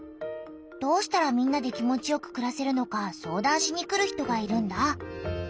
どうしたらみんなで気持ちよくくらせるのか相談しに来る人がいるんだ。